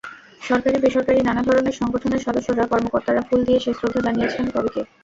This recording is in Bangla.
সরকারি-বেসরকারি নানা ধরনের সংগঠনের সদস্যরা, কর্মকর্তারা ফুল দিয়ে শেষ শ্রদ্ধা জানিয়েছেন কবিকে।